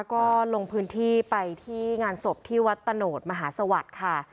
ก็ลงพื้นที่ไปที่งานศพที่วัดตะโนธมหาสวัสดิ์ค่ะ